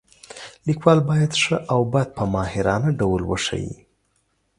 لیکوال باید ښه او بد په ماهرانه ډول وښایي.